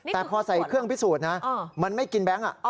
แต่พอใส่เครื่องพิสูจน์นะมันไม่กินแบงค์